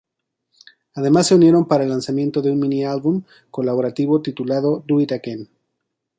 Además se unieron para el lanzamiento de un mini-álbum colaborativo titulado "Do It Again".